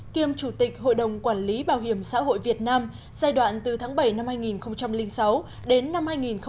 kiêm chủ tịch hội đồng quản lý bảo hiểm xã hội việt nam giai đoạn từ tháng bảy năm hai nghìn sáu đến năm hai nghìn một mươi